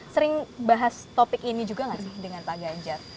sering bahas topik ini juga gak sih dengan pak ganjar